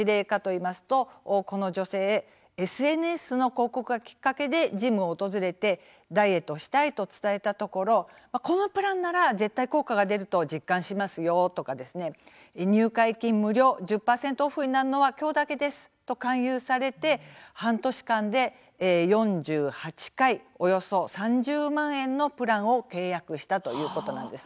具体的にはＳＮＳの広告を見てジムを訪れてダイエットをしたいと伝えたところがこのプランは絶対効果が出ると実感しますよなど、また入会金無料１０％オフになるのは今日だけですなどと勧誘されて半年間で４８回およそ３０万円のプランを契約したということです。